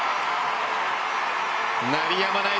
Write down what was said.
鳴りやまない